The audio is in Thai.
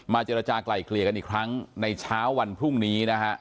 เจรจากลายเกลี่ยกันอีกครั้งในเช้าวันพรุ่งนี้นะฮะ